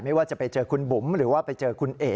ว่าจะไปเจอคุณบุ๋มหรือว่าไปเจอคุณเอก